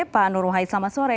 pak nur wahid selamat sore